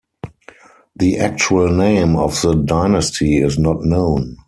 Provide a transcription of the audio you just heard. The actual name of the dynasty is not known.